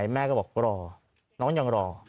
แม่ก็บอกรอน้องยังรอ